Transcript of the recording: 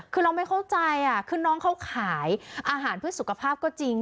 คือเราไม่เข้าใจคือน้องเขาขายอาหารเพื่อสุขภาพก็จริง